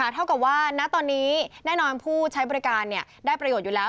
เท่ากับว่าณตอนนี้แน่นอนผู้ใช้บริการได้ประโยชน์อยู่แล้ว